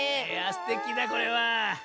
いやすてきだこれは。